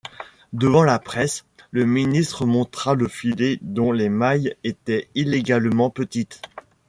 Devant la presse, le ministre montra le filet dont les mailles étaient illégalement petites.